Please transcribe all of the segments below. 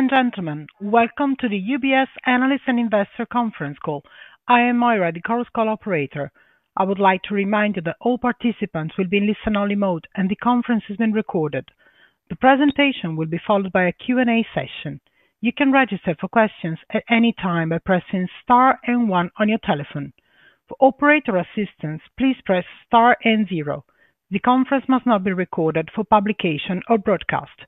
Ladies and gentlemen, welcome to the UBS Analyst and Investor Conference call. I am Moira, the Chorus Call operator. I would like to remind you that all participants will be in listen-only mode and the conference is being recorded. The presentation will be followed by a Q&A session. You can register for questions at any time by pressing N1 on your telephone. For operator assistance, please press N0. The conference must not be recorded for publication or broadcast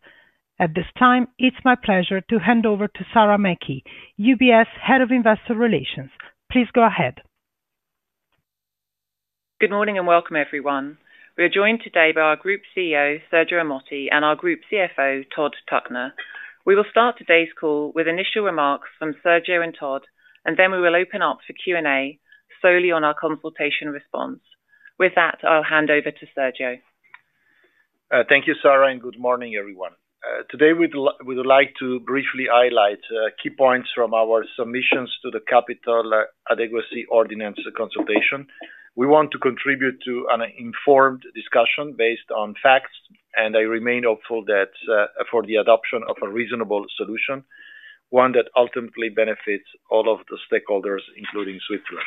at this time. It's my pleasure to hand over to Sara Mekhi, UBS Head of Investor Relations. Please go ahead. Good morning and welcome everyone. We are joined today by our Group CEO Sergio Ermotti and our Group CFO Todd Tuckner. We will start today's call with initial remarks from Sergio and Todd, and then we will open up for Q&A solely on our consultation response. With that, I'll hand over to Sergio. Thank you, Sara, and good morning everyone. Today we would like to briefly highlight key points from our submissions to the Capital Adequacy Ordinance consultation. We want to contribute to an informed discussion based on facts, and I remain hopeful for the adoption of a reasonable solution, one that ultimately benefits all of the stakeholders, including Switzerland.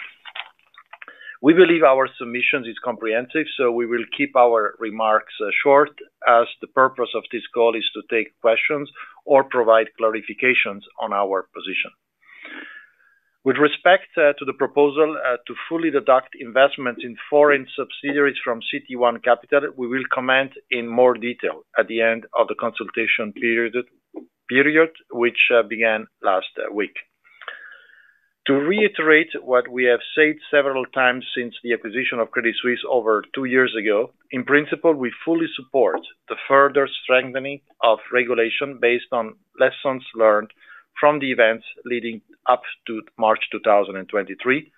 We believe our submission is comprehensive, so we will keep our remarks short as the purpose of this call is to take questions or provide clarifications on our position with respect to the proposal to fully deduct investments in foreign subsidiaries from CET1 capital. We will comment in more detail at the end of the consultation period, which began last week. To reiterate what we have said several times since the acquisition of Credit Suisse over two years ago, in principle, we fully support the further strengthening of regulation based on lessons learned from the events leading up to March 2023,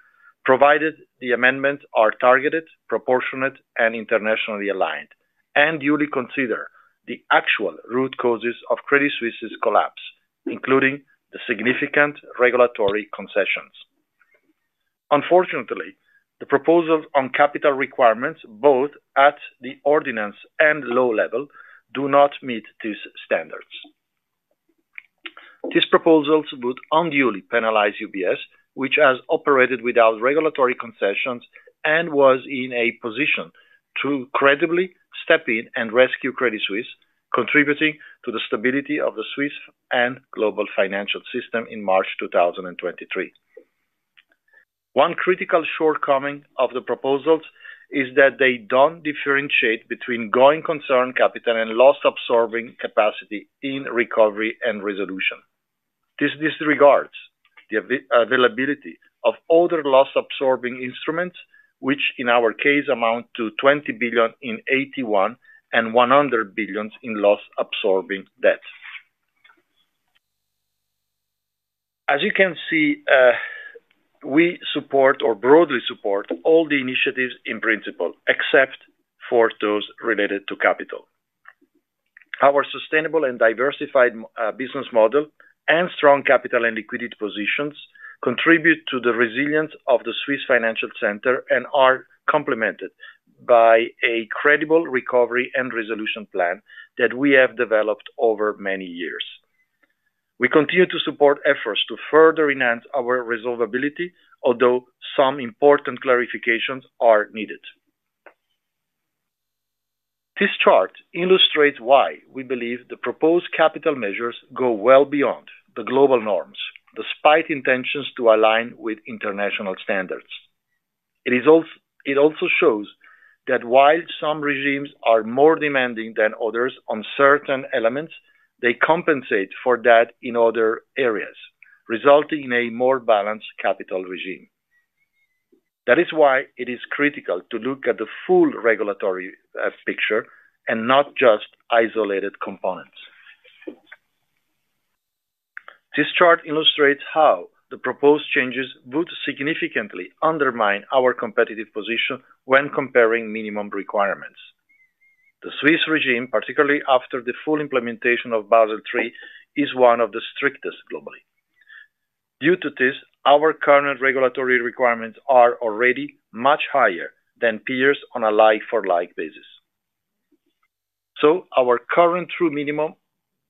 provided the amendments are targeted, proportionate, and internationally aligned, and duly consider the actual root causes of Credit Suisse's collapse, including the significant regulatory concessions. Unfortunately, the proposals on capital requirements both at the ordinance and law level do not meet these standards. These proposals would unduly penalize UBS, which has operated without regulatory concessions and was in a position to credibly step in and rescue Credit Suisse, contributing to the stability of the Swiss and global financial system in March 2023. One critical shortcoming of the proposals is that they don't differentiate between going concern capital and loss-absorbing capacity in recovery and resolution. This disregards the availability of other loss-absorbing instruments, which in our case amount to $20 billion in AT1 and $100 billion in loss-absorbing debt. As you can see, we support or broadly support all the initiatives in principle except for those related to capital. Our sustainable and diversified business model and strong capital and liquidity positions contribute to the resilience of the Swiss financial center and are complemented by a credible recovery and resolution plan that we have developed over many years. We continue to support efforts to further enhance our resolvability, although some important clarifications are needed. This. Chart illustrates why we believe the proposed capital measures go well beyond the global norms, despite intentions to align with international standards. It also shows that while some regimes are more demanding than others on certain elements, they compensate for that in other areas, resulting in a more balanced capital regime. That is why it is critical to look at the full regulatory picture and not just isolated components. This chart illustrates how the proposed changes would significantly undermine our competitive position when comparing minimum requirements. The Swiss regime, particularly after the full implementation of Basel III, is one of the strictest globally. Due to this, our current regulatory requirements are already much higher than peers on a like-for-like basis. Our current true minimum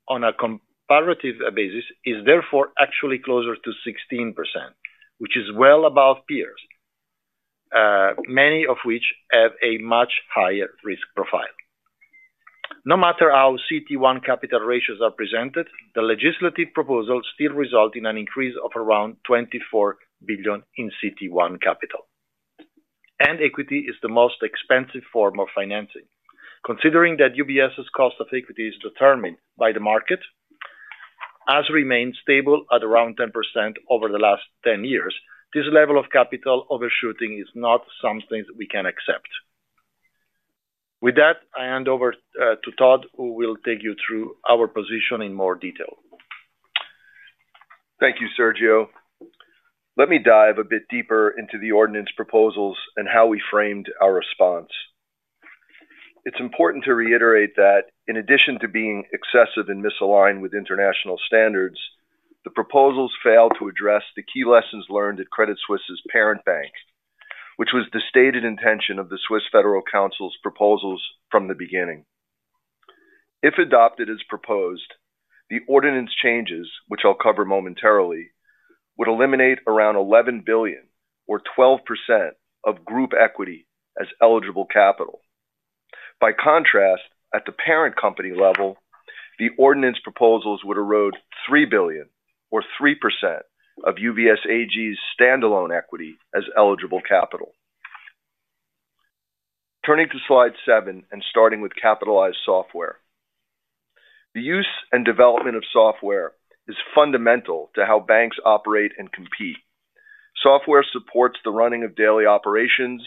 on a comparative basis is therefore actually closer to 16%, which is well above peers, many of which have a much higher risk profile. No matter how CET1 capital ratios are presented, the legislative proposals still result in an increase of around 24 billion in CET1 capital, and equity is the most expensive form of financing. Considering that UBS's cost of equity as determined by the market has remained stable at around 10% over the last 10 years, this level of capital overshooting is not something we can accept. With that, I hand over to Todd, who will take you through our position in more detail. Thank you, Sergio. Let me dive a bit deeper into this. The ordinance proposals and how we framed our response. It's important to reiterate that in addition. To being excessive and misaligned with international. Standards, the proposals fail to address the key lessons learned at Credit Suisse's parent bank, which was the stated intention of the Swiss Federal Council's proposals from the beginning. If adopted as proposed, the ordinance changes, which I'll cover momentarily, would eliminate around 11 billion or 12% of group equity as eligible capital. By contrast, at the parent company level, the ordinance proposals would erode 3 billion or 3% of UBS AG's standalone equity as eligible capital. Turning to Slide 7 and starting with capitalized software, the use and development of software is fundamental to how banks operate and compete. Software supports the running of daily operations,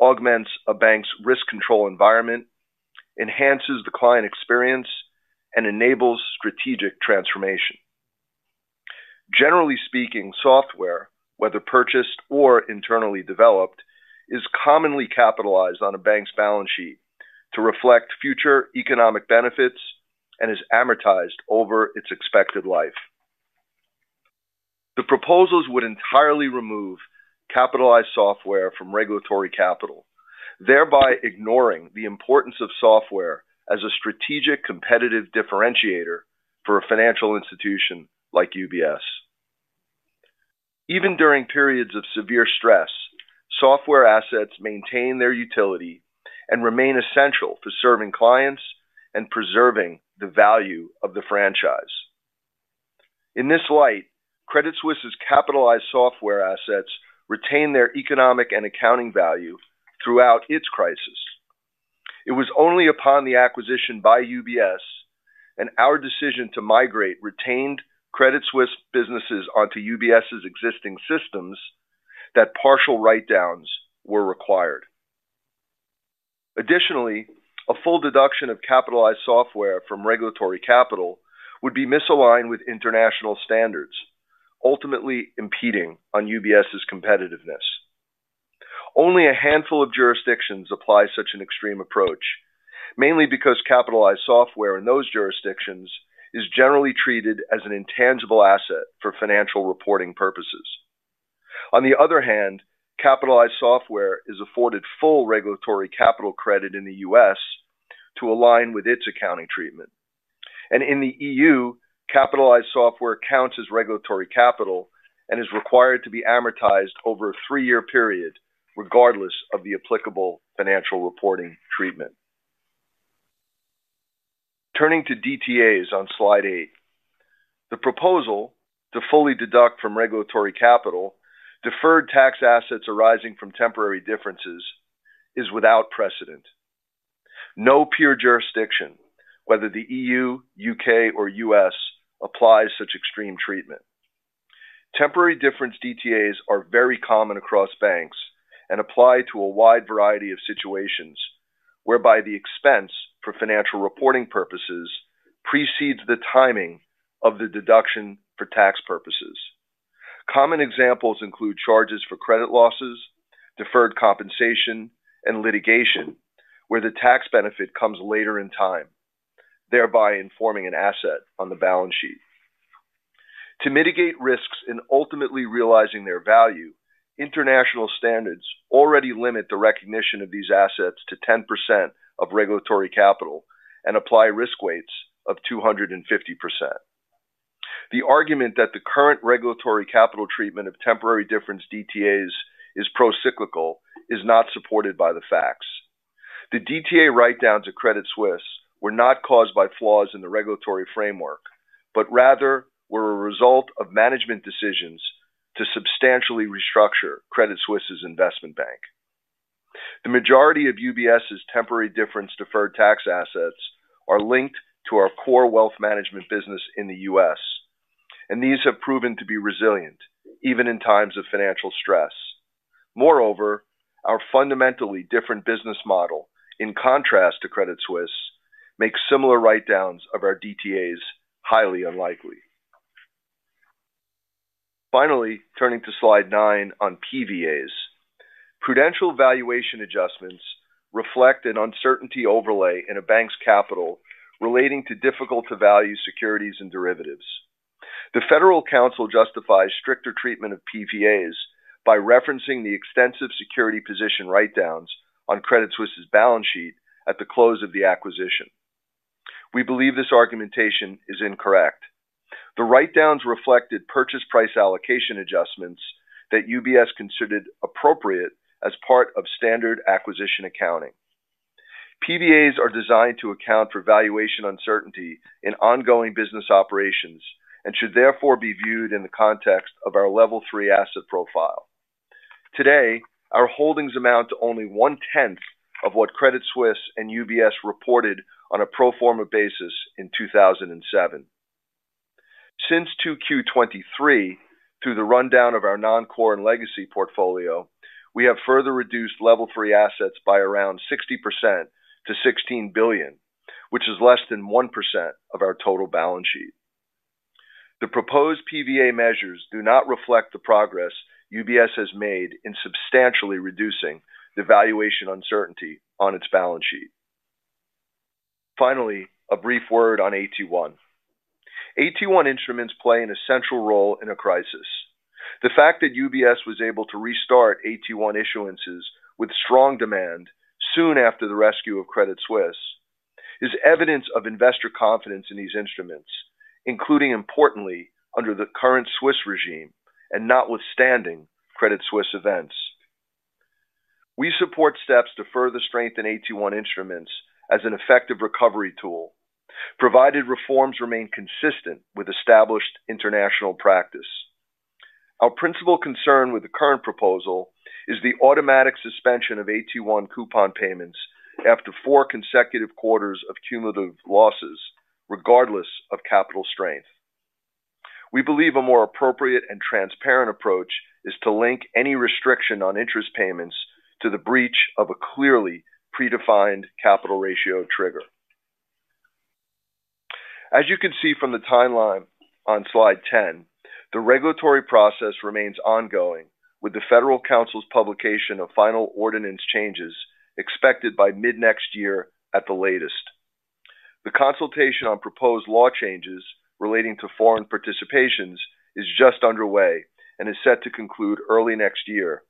augments a bank's risk control environment, enhances the client experience, and enables strategic transformation. Generally speaking, software, whether purchased or internally developed, is commonly capitalized on a bank's balance sheet to reflect future economic benefits and is amortized over its expected life. The proposals would entirely remove capitalized software from regulatory capital, thereby ignoring the importance of software as a strategic competitive differentiator. For a financial institution like UBS. Even during periods of severe stress, software assets maintain their utility and remain essential to serving clients and preserving the value of the franchise. In this light, Credit Suisse's capitalized software assets retain their economic and accounting value throughout its crisis. It was only upon the acquisition by UBS and our decision to migrate retained Credit Suisse businesses onto UBS's existing systems that partial write-downs were required. Additionally, a full deduction of capitalized software from regulatory capital would be misaligned with international standards, ultimately impeding on UBS's competitiveness. Only a handful of jurisdictions apply such an extreme approach, mainly because capitalized software in those jurisdictions is generally treated as an intangible asset for financial reporting purposes. On the other hand, capitalized software is afforded full regulatory capital credit in the U.S. to align with its accounting treatment. In the EU, capitalized software counts as regulatory capital and is required to be amortized over a three-year period. Regardless of the applicable financial reporting treatment. Turning to DTAs on slide 8, the proposal to fully deduct from regulatory capital deferred tax assets arising from temporary differences is without precedent. No peer jurisdiction, whether the EU, UK, or U.S., applies such extreme treatment. Temporary difference DTAs are very common across banks and apply to a wide variety of situations whereby the expense for financial reporting purposes precedes the timing of the deduction for tax purposes. Common examples include charges for credit losses, deferred compensation, and litigation where the tax benefit comes later in time, thereby informing an asset on the balance sheet to mitigate risks in ultimately realizing their value. International standards already limit the recognition of these assets to 10% of regulatory capital and apply risk weights of 250%. The argument that the current regulatory capital treatment of temporary difference DTAs is pro-cyclical is not supported by the facts. The DTA write-downs at Credit Suisse were not caused by flaws in the regulatory framework, but rather were a result of management decisions to substantially restructure Credit Suisse's investment bank. The majority of UBS's temporary difference deferred tax assets are linked to our core wealth management business in the U.S., and these have proven to be resilient even in times of financial stress. Moreover, our fundamentally different business model, in contrast to Credit Suisse, makes similar write-downs of our DTAs highly unlikely. Finally, turning to slide 9 on PVAs, prudential valuation adjustments reflect an uncertainty overlay in a bank's capital relating to difficult-to-value securities and derivatives. The Federal Council justifies stricter treatment of PVAs by referencing the extensive security position write-downs on Credit Suisse's balance sheet at the close of the acquisition. We believe this argumentation is incorrect. The write-downs reflected purchase price allocation adjustments that UBS considered appropriate as part of standard acquisition accounting. PVAs are designed to account for valuation uncertainty in ongoing business operations and should therefore be viewed in the context of our Level 3 asset profile. Today our holdings amount to only one-tenth of what Credit Suisse and UBS reported on a pro forma basis in 2007. Since 2Q23, through the rundown of our Non-Core and Legacy portfolio, we have further reduced Level 3 assets by around 60% to $16 billion, which is less than 1% of our total balance sheet. The proposed PVA measures do not reflect the progress UBS has made in substantially reducing the valuation uncertainty on its balance sheet. Finally, a brief word on AT1. AT1 instruments play an essential role in a crisis. The fact that UBS was able to restart AT1 issuances with strong demand soon after the rescue of Credit Suisse is evidence of investor confidence in these instruments, including importantly under the current Swiss regime. Notwithstanding Credit Suisse events, we support steps to further strengthen AT1 instruments as an effective recovery tool provided reforms remain consistent with established international practice. Our principal concern with the current proposal is the automatic suspension of AT1 coupon payments after four consecutive quarters of cumulative losses, regardless of capital strength. We believe a more appropriate and transparent approach is to link any restriction on interest payments to the breach of a clearly predefined capital ratio trigger. As you can see from the timeline on slide 10, the regulatory process remains ongoing, with the Federal Council's publication of final ordinance changes expected by mid next year at the latest. The consultation on proposed law changes relating to foreign participations is just underway and is set to conclude early next year,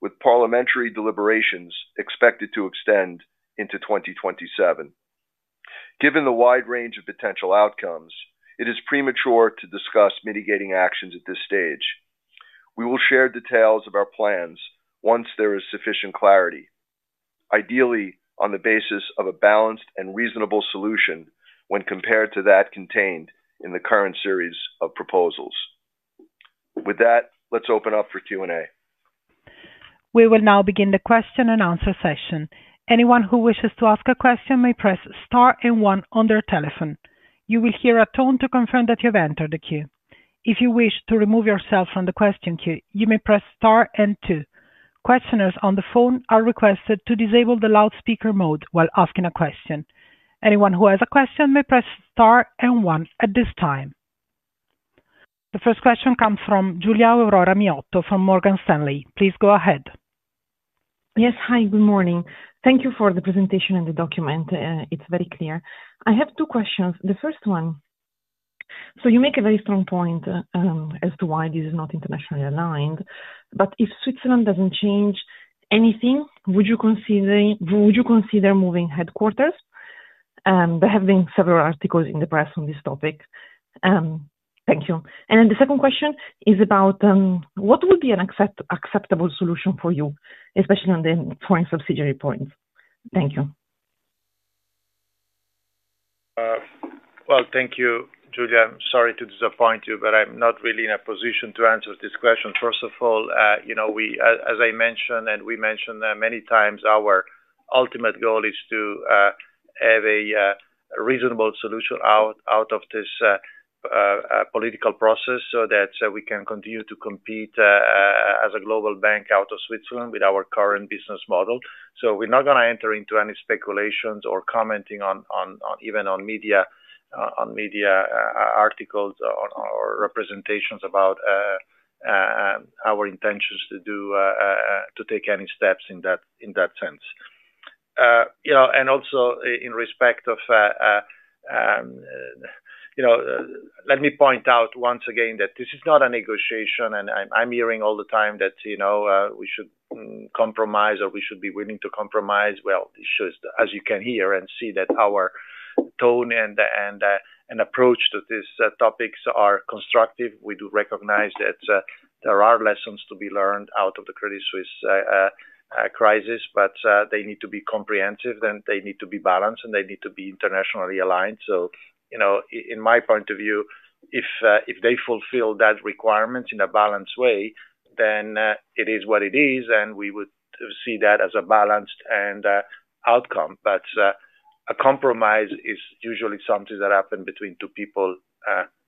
with parliamentary deliberations expected to extend into 2027. Given the wide range of potential outcomes, it is premature to discuss mitigating actions at this stage. We will share details of our plans once there is sufficient clarity, ideally on the basis of a balanced and reasonable solution when compared to that contained in the current series of proposals. With that, let's open up for Q&A. We will now begin the Question and Answer session. Anyone who wishes to ask a question may press star and 1 on their telephone. You will hear a tone to confirm that you have entered the queue. If you wish to remove yourself from the question queue, you may press star and 2. Questioners on the phone are requested to disable the loudspeaker mode while asking a question. Anyone who has a question may press star and 1 at this time. The first question comes from Giulia Miotto from Morgan Stanley. Please go ahead. Yes. Hi, good morning. Thank you for the presentation and the document. It's very clear. I have two questions. The first one, you make a very strong point as to why this is not internationally aligned. But. If Switzerland doesn't change anything, would you consider moving headquarters? There have been several articles in the press on this topic. Thank you. The second question is about what would be an acceptable solution for you, especially on the foreign subsidiary points. Thank you. Thank you, Giulia. I'm sorry to disappoint you, but I'm not really in a position to answer this question. First of all, as I mentioned, and we mentioned many times, our ultimate goal is to have a reasonable solution out of this political process so that we can continue to compete as a global bank out of Switzerland with our current business model. We are not going to enter into any speculations or commenting even on media articles or representations about our intentions to do to take any steps in that sense. Also, in respect of, let me point out once again that this is not a negotiation and I'm hearing all the time that we should compromise or we should be willing to compromise. As you can hear and see, our tone and approach to these topics are constructive. We do recognize that there are lessons to be learned out of the Credit Suisse crisis, but they need to be comprehensive and they need to be balanced and they need to be internationally aligned. In my point of view, if they fulfill that requirement in a balanced way, then it is what it is and we would see that as a balanced outcome. A compromise is usually something that happens between two people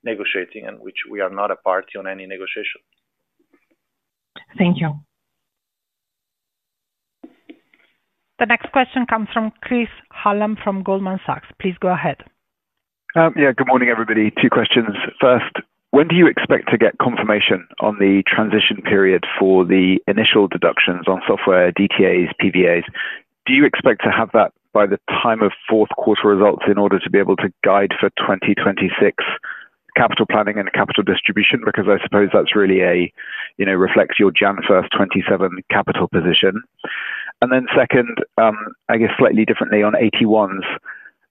negotiating, in which we are not a party on any negotiation. Thank you. The next question comes from Chris Hallam from Goldman Sachs. Please go ahead. Yeah, good morning, everybody. Two questions. First, when do you expect to get confirmation on the transition period for the initial deductions on software, DTAs, PVAs? Do you expect to have that by the time of fourth quarter results in order to be able to guide for 2026 capital planning and capital distribution? I suppose that really reflects your 27-1-1 capital position. Second, I guess slightly differently on AT1s,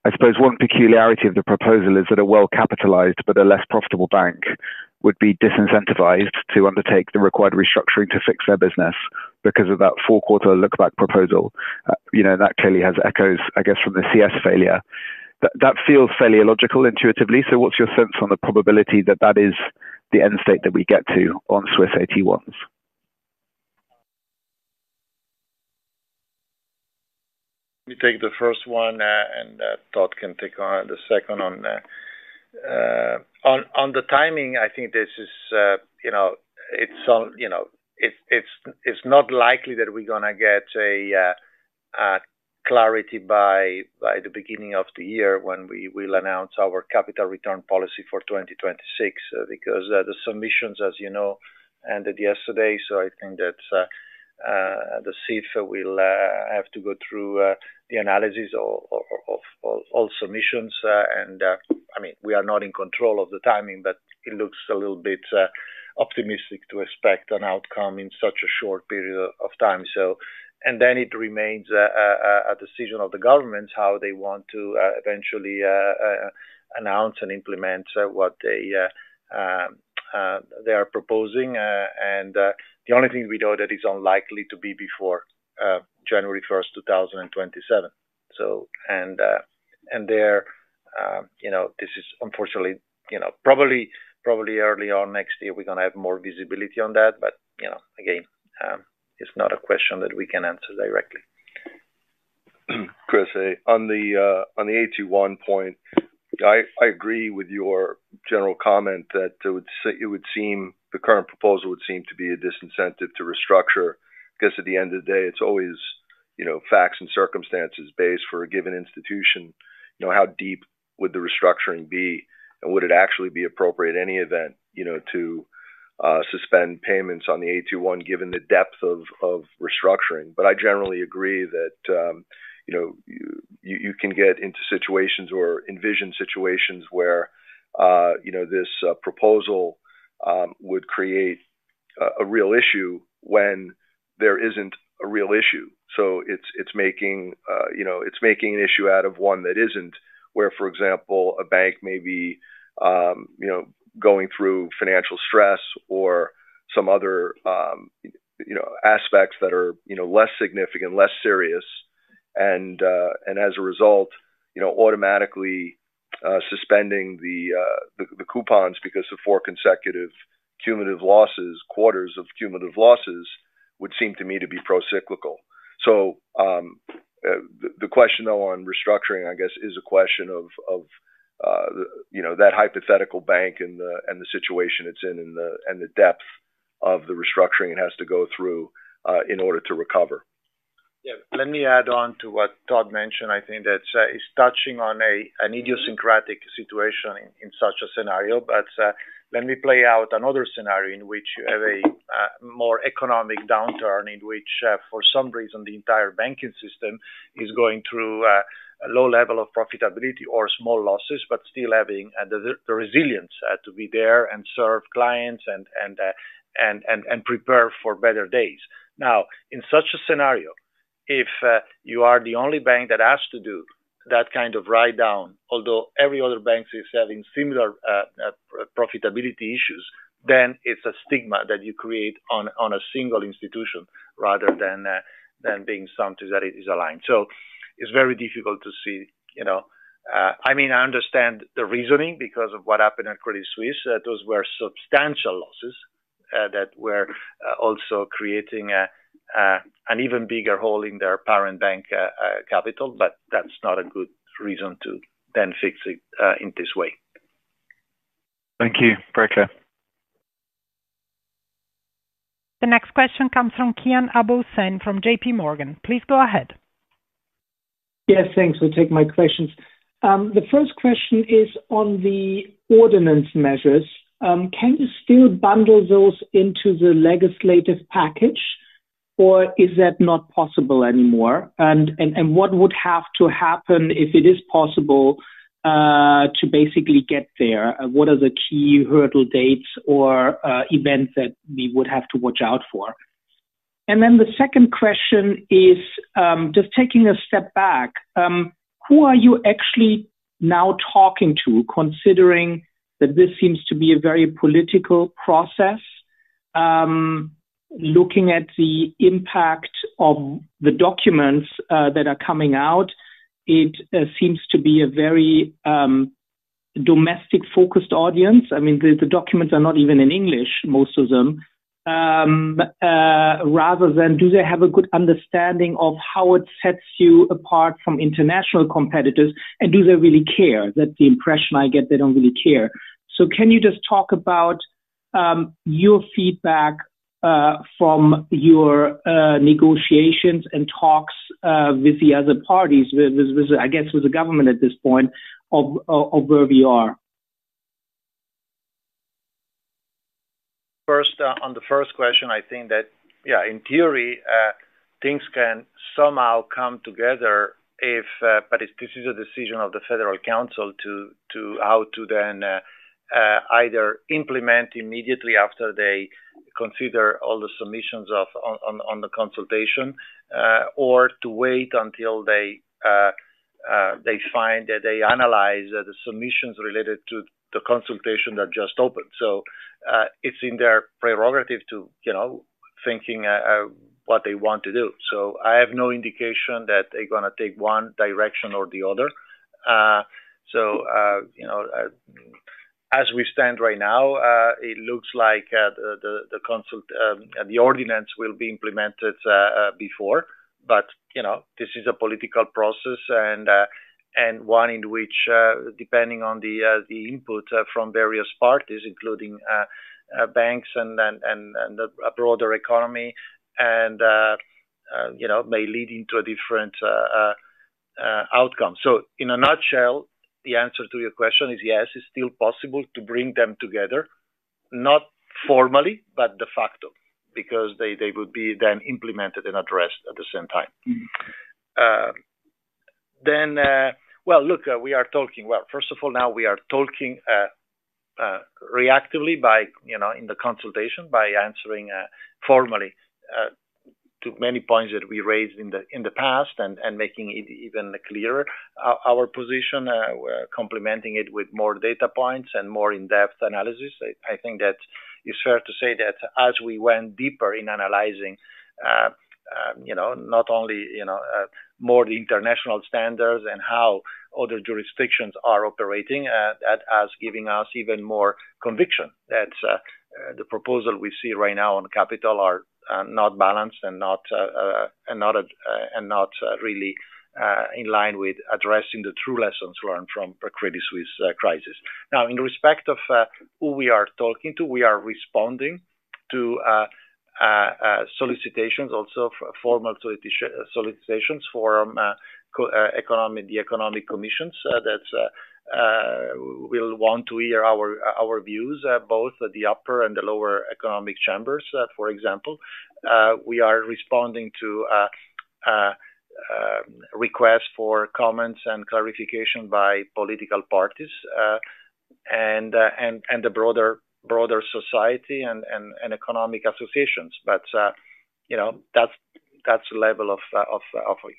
I suppose one peculiarity of the proposal is that a well-capitalized but a less profitable bank would be disincentivized to undertake the required restructuring to fix their business because of that four quarter look back proposal. That clearly has echoes, I guess, from the Credit Suisse failure. That feels fairly illogical intuitively. What's your sense on the probability that that is the end state that we get to on Swiss AT1s? Let me take the first one and Todd can take on the second. On the timing, I think this is, you know, it's not likely that we're going to get a clarity by the beginning of the year when we will announce our capital return policy for 2026 because the submissions, as you know, ended yesterday. I think that the SIFA will have to go through the analysis of all submissions, and we are not in control of the timing, but it looks a little bit optimistic to expect an outcome in such a short period of time. It remains a decision of the governments how they want to eventually announce and implement what they are proposing. The only thing we know is that it is unlikely to be before January 1, 2027. This is unfortunately, you know, probably early on next year we're going to have more visibility on that. You know, again, it's not a question that we can answer directly. Chris, on the AT1 point. I agree with your general comment. It would seem the current proposal would. Seem to be a disincentive to restructure because at the end of the day. It's always facts and circumstances based for a given institution. How deep would the restructuring be? Would it actually be appropriate in any event to suspend payments on the AT1 given. The depth of restructuring. I generally agree with that. You can get into situations or envision situations where. This proposal would create a real issue. When there isn't a real issue. It's making an issue out of it. One that isn't where, for example, a. Bank may be going through financial stress or some other aspects that are less significant, less serious, and as a result, automatically suspending the coupons because of four consecutive cumulative losses. Quarters of cumulative losses would seem to me to be pro-cyclical. The question though on restructuring is a question of that hypothetical bank and the situation it's in and the depth of the restructuring it has to go through in order to recover. Let me add on to what Todd mentioned. I think that is touching on an idiosyncratic situation in such scenario. Let me play out another scenario in which you have a more economic downturn in which for some reason the entire banking system is going through a low level of profitability or small losses, but still having the resilience to be there and serve clients and prepare for better days. In such a scenario, if you are the only bank that has to do with that kind of write down, although every other bank is having similar profitability issues, then it's a stigma that you create on a single institution rather than being something that is aligned. It's very difficult to see. I understand the reasoning because of what happened at Credit Suisse. Those were substantial losses that were also creating an even bigger hole in their parent bank capital. That's not a good reason to then fix it in this way. Thank you, Prekla. The next question comes from Kian Abouhossein from JPMorgan. Please go ahead. Yes, thanks for taking my questions. The first question is on the ordinance measures. Can you still bundle those into the legislative package or is that not possible anymore? What would have to happen if it is possible to basically get there? What are the key hurdle dates or events that we would have to watch out for? The second question is just taking a step back. Who are you actually now talking to? Considering that this seems to be a very political process, looking at the impact of the documents that are coming out, it seems to be a very domestic, focused audience. I mean the documents are not even. In English, most of them. Rather than do they have a good understanding of how it sets you apart from international competitors and do they really care? That's the impression I get. They don't really care. Can you just talk about your feedback from your negotiations and talks with the other parties, I guess with the government at this point of where we are? On the first question, I think that, yeah, in theory things can somehow come together. This is a decision of the Swiss Federal Council to either implement immediately after they consider all the submissions on the consultation or to wait until they analyze the submissions related to the consultation that just opened. It's in their prerogative to think about what they want to do. I have no indication that they're going to take one direction or the other. As we stand right now, it looks like the ordinance will be implemented before. This is a political process and one in which, depending on the input from various parties, including banks and the broader economy, it may lead to a different outcome. In a nutshell, the answer to your question is yes, it's still possible to bring them together, not formally, but de facto because they would then be implemented and addressed at the same time. Then. Look, we are talking. First of all, now we are talking reactively by, you know, in the consultation by answering formally to many points that we raised in the past and making it even clearer our position, complementing it with more data points and more in-depth analysis. I think that it's fair to say that as we went deeper in analyzing, you know, not only, you know, more the international standards and how other jurisdictions are operating, that has given us even more conviction that the proposal we see right now on capital are not balanced and not really in line with addressing the true lessons learned from the Credit Suisse crisis. In respect of who we are talking to, we are responding to solicitations, also formal solicitations for the economic commissions that will want to hear our views, both the upper and the lower economic chambers. For example, we are responding to requests for comments and clarification by political parties and the broader society and economic associations. You know, that's the level of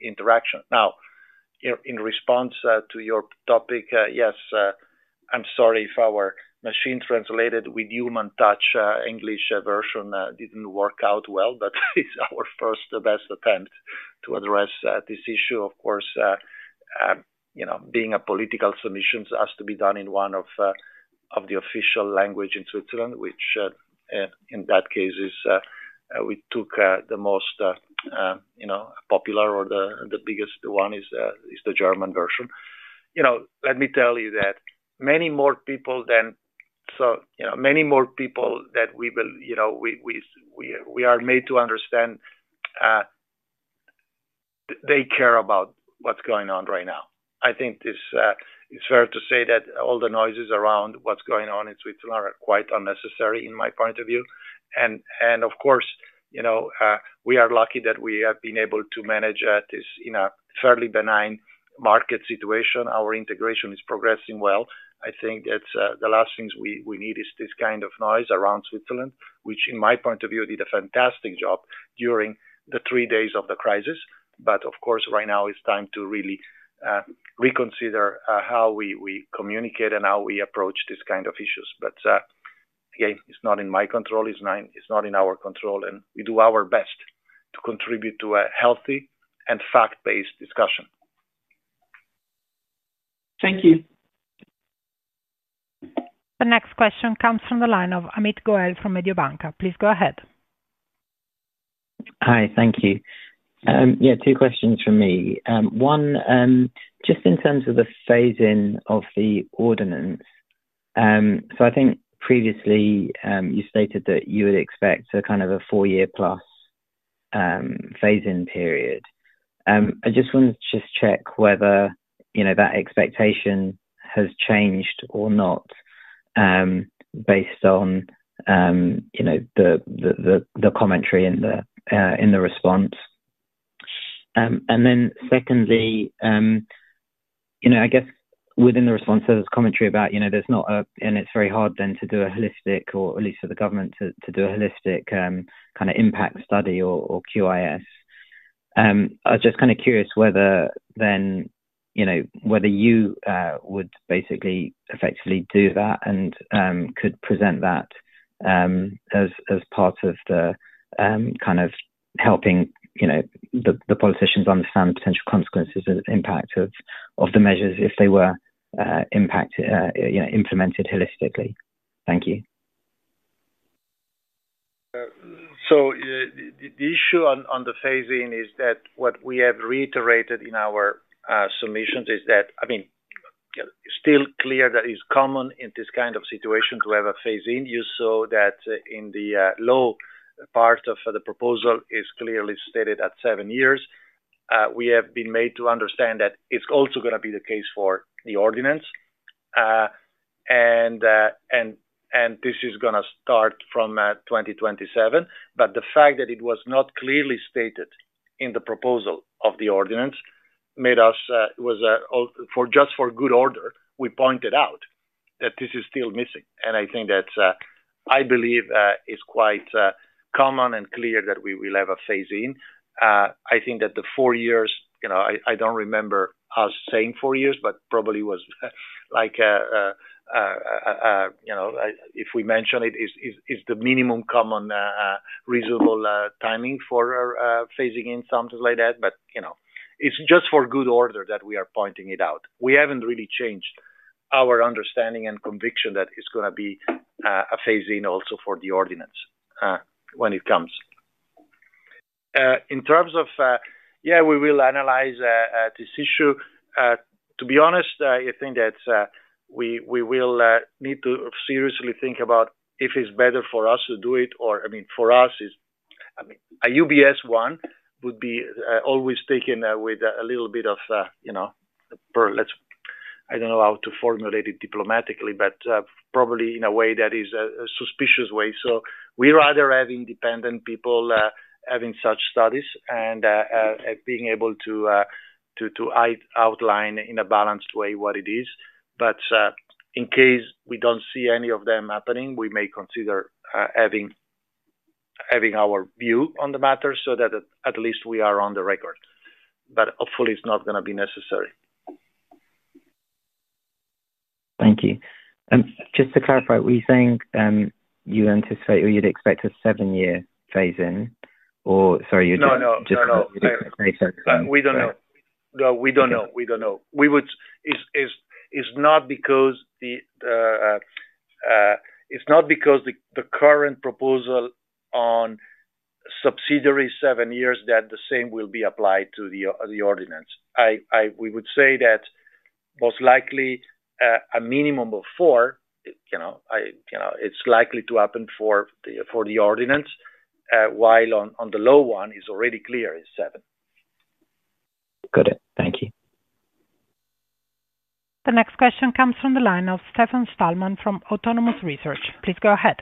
interaction. In response to your topic, yes, I'm sorry if our machine-translated with human touch English version didn't work out well, but it's our first best attempt to address this issue. Of course, you know, being a political submission has to be done in one of the official languages in Switzerland, which in that case is. We took the most, you know, popular or the biggest one, the German version. Let me tell you that many more people than, so you know, many more people that we will, you know, we are made to understand they care about what's going on right now. I think this is fair to say that all the noises around what's going on in Switzerland are quite unnecessary in my point of view. Of course, we are lucky that we have been able to manage this in a fairly benign market situation. Our integration is progressing well. I think the last things we need is this kind of noise around Switzerland, which in my point of view did a fantastic job during the three days of the crisis. Of course, right now it's time to really reconsider how we communicate and how we approach this kind of issues. Again, it's not in my control, it's not in our control and we do our best to contribute to a healthy and fact-based discussion. Thank you. The next question comes from the line of Amit Goel from Mediobanca. Please go ahead. Hi, thank you. Yeah, two questions from me. One just in terms of the phasing of the ordinance. I think previously you stated that you would expect a kind of a four year plus phase in period. I just wanted to check whether that expectation has changed or not based on the commentary in the response. Secondly, I guess within the response as commentary about you. There's not a. It is very hard then to do a holistic or at least for the government to do a holistic kind of impact study or QIS. I was just kind of curious whether then you know, whether you would basically effectively do that and could present that as part of the kind of helping, you know, the politicians understand the potential consequences and impact of the measures if they were implemented holistically. Thank you. The issue on the phasing is that what we have reiterated in our submissions is that it's still clear that it's common in this kind of situation to have a phase-in. You saw that in the lower part of the proposal; it is clearly stated at seven years. We have been made to understand that it's also going to be the case for the ordinance, and this is going to start from 2027. The fact that it was not clearly stated in the proposal of the ordinance made us, just for good order, point out that this is still missing. I think that I believe it's quite common and clear that we will have a phase-in. I think that the four years—I don't remember us saying four years, but probably, if we mentioned it, it is the minimum common reasonable timing for phasing in something like that. It's just for good order that we are pointing it out. We haven't really changed our understanding and conviction that it's going to be a phase-in also for the ordinance when it comes. We will analyze this issue. To be honest, I think that we will need to seriously think about if it's better for us to do it or, I mean, for us a UBS one would be always taken with a little bit of, you know. I don't. know how to formulate it diplomatically, probably in a way that is a suspicious way. We would rather have independent people having such studies and being able to outline in a balanced way what it is. In case we don't see any of them happening, we may consider having our view on the matter so that at least we are on the record, but hopefully it's not going to be necessary. Thank you. Just to clarify, were you saying you anticipate or you'd expect a seven year phase-in? No, we don't know. We don't know. It's not because the current proposal on subsidiary 7 years that the same will be applied to the ordinance. We would say that most likely a minimum of four is likely to happen for the ordinance, while on the low one it's already clear, it's seven. Got it. Thank you. The next question comes from the line of Stefan Stalmann from Autonomous Research. Please go ahead.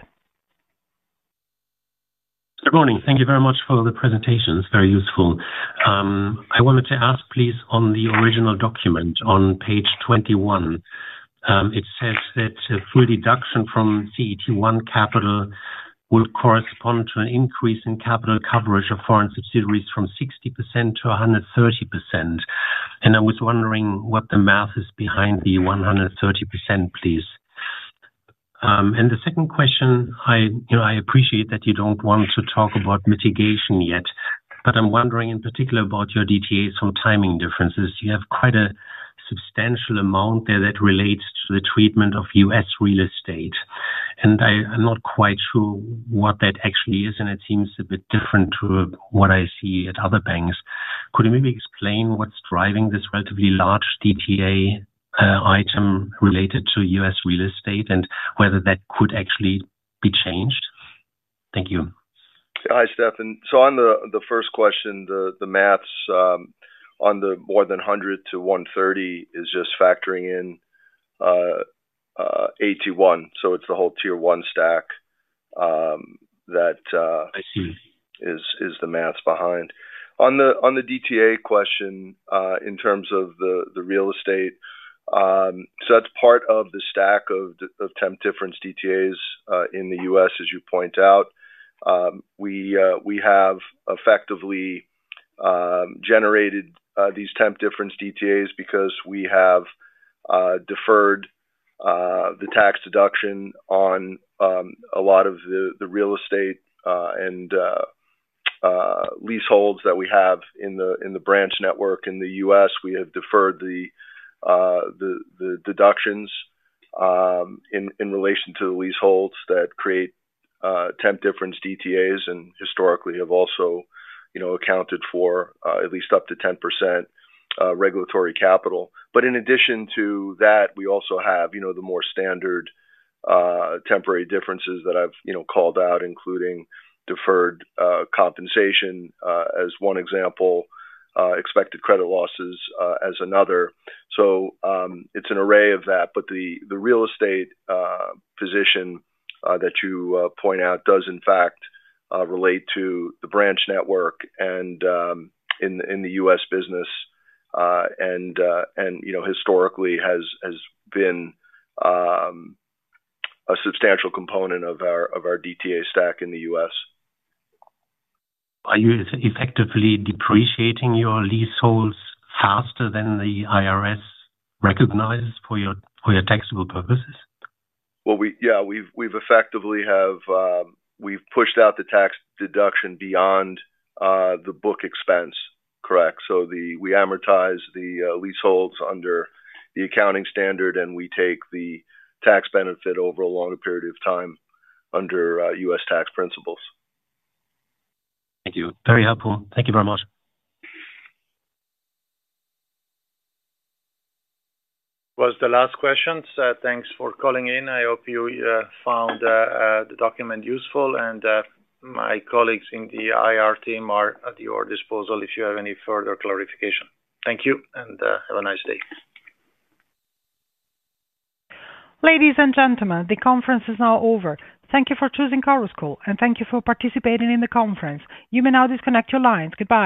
Good morning. Thank you very much for the presentations. Very useful. I wanted to ask, please, on the original document on page 21, it says that full deduction from CET1 capital will correspond to an increase in capital coverage of foreign subsidiaries from 60% to 130%. I was wondering what the math is behind the 130%, please. The second question, I appreciate that you don't want to talk about mitigation yet, but I'm wondering in particular about your DTA, some timing differences. You have quite a substantial amount there that relates to the treatment of U.S. real estate and I'm not quite sure what that actually is. It seems a bit different to what I see at other banks. Could you maybe explain what's driving this relatively large DTA item related to U.S. real estate and whether that could actually be changed? Thank you. Hi, Stefan. On the first question, the maths on the more than 100 to 130. Is just factoring in. At 1. It's the whole Tier 1 stack that is the maths behind on the DTA question in terms of the real estate. That's part of the stack of temp difference DTAs in the U.S. As you point out, we have effectively generated these temp difference DTAs because we have deferred the tax deduction on a lot of the real estate. Leaseholds that. We have in the branch network in the U.S. deferred the deductions in relation to the leaseholds that create temporary difference DTAs and historically have also accounted for at least up to 10% regulatory capital. In addition to that, we also have the more standard temporary differences that I've called out, including deferred compensation as one example, expected credit losses as another. It's an array of that, but the real estate position that you point out does in fact relate to the. Branch network. In the U.S. business. And. Historically, has been a substantial component of our DTA stack in the U.S. Are. You are effectively depreciating your leaseholds faster than the IRS recognizes for your taxable purposes? Yes, we've effectively pushed out the tax deduction beyond the book expense, correct. We amortize the leaseholds under the accounting standard and we take the tax. Benefit over a longer period of time. Under U.S. tax principles. Thank you, very helpful. Thank you very much. was the last question. Thanks for calling in. I hope you found the document useful, and my colleagues in the IR team are at your disposal if you have any further clarification. Thank you and have a nice day. Ladies and gentlemen, the conference is now over. Thank you for choosing UBS Group AG and thank you for participating in the conference. You may now disconnect your lines. Goodbye.